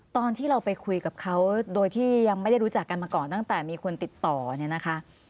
ตอนที่เราไปคุยกับเขาโดยที่ยังไม่ได้รู้จักกันมาก่อนตั้งแต่มีคนติดต่อเนี่ยนะคะ